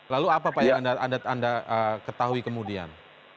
lalu apa pak yang anda ketahui kemudian